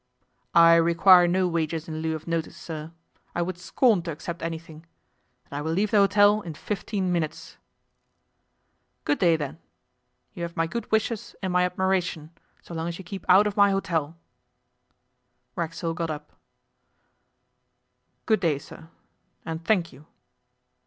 'I require no wages in lieu of notice, sir. I would scorn to accept anything. And I will leave the hotel in fifteen minutes.' 'Good day, then. You have my good wishes and my admiration, so long as you keep out of my hotel.' Racksole got up. 'Good day, sir. And thank you.